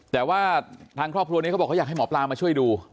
แต่ว่าทางครอบครัวนี้เขาบอกเขาอยากให้หมอปลามาช่วยดู